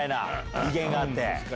威厳があって。